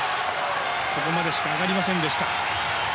そこまでしか上がりませんでした。